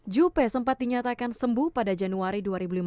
jupe sempat dinyatakan sembuh pada januari dua ribu lima belas